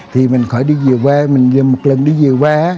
thì mình khỏi đi dìu quê mình một lần đi dìu quê